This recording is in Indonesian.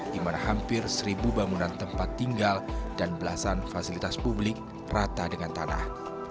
di mana hampir seribu bangunan tempat tinggal dan belasan fasilitas publik rata dengan tanah